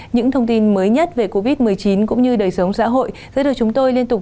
những thông tin mới nhất về covid một mươi chín cũng như đời sống xã hội sẽ được chúng tôi liên tục